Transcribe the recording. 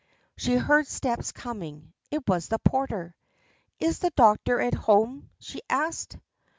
She heard steps coming: it was the porter. "Is the doctor at home?" she asked.